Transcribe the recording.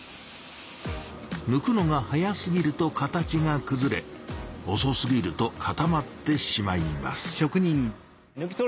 抜くのが早すぎると形がくずれおそすぎると固まってしまいます。